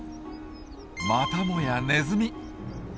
またもやネズミ。